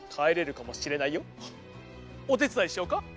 おてつだいしようか？